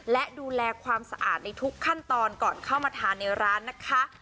และดูแลความสะอาดในทุกขั้นตอนก่อนเข้ามาทานในร้านนะคะ